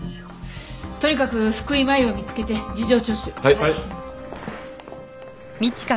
とにかく福井真衣を見つけて事情聴取！